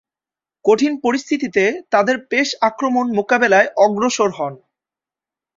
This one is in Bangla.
কঠিন পরিস্থিতিতে তাদের পেস আক্রমণ মোকাবেলায় অগ্রসর হন।